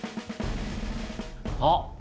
あっ！